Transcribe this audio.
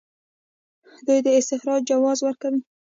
دوی د استخراج جواز ورکوي.